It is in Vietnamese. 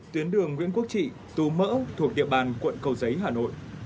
tuyến đường nguyễn quốc trị tù mỡ thuộc địa bàn quận cầu giấy hà nội